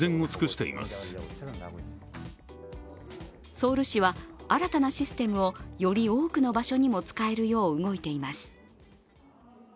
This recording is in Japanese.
ソウル市は、新たなシステムをより多くの場所にも使えるよう動いています。